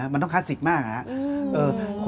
มันต้องคลาสิคมาก